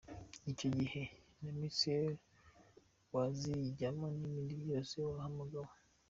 Icyo gihe na misiyo wazijyamo n’ibindi byose wahamagawe.